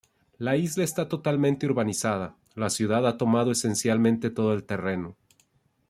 La isla está totalmente urbanizada, la ciudad ha tomado esencialmente todo el terreno.